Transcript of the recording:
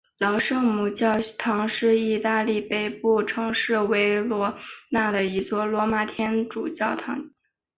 老圣母教堂是意大利北部城市维罗纳的一座罗马天主教教堂。